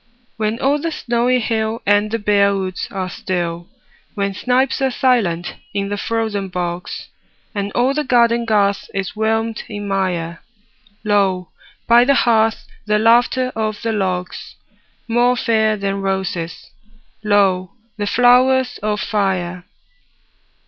When all the snowy hill And the bare woods are still; When snipes are silent in the frozen bogs, And all the garden garth is whelmed in mire, Lo, by the hearth, the laughter of the logs— More fair than roses, lo, the flowers of fire!